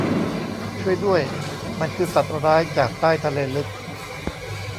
ช่วยด้วย ! มันคือสัตว์ร้ายจากใต้ทะเลลึก